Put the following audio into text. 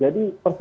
jadi saya rasa